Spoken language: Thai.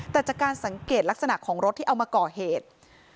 แต่จากการสังเกตลักษณะของรถที่เอามาก่อเหตุ